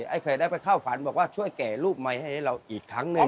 ไอ้เคยได้ไปเข้าฝันบอกว่าช่วยแก่รูปใหม่ให้เราอีกครั้งหนึ่ง